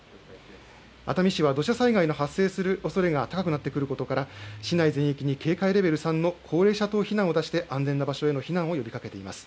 熱海市は土砂災害の発生するおそれが高くなってくることから市内全域に警戒レベル３の高齢者等避難を出して安全な場所への避難を呼びかけています。